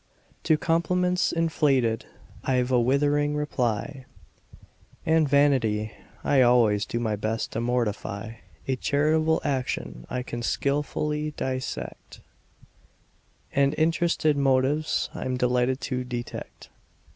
To compliments inflated I've a withering reply; And vanity I always do my best to mortify; A charitable action I can skilfully dissect: And interested motives I'm delighted to detect.